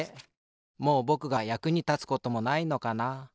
もうぼくがやくにたつこともないのかな。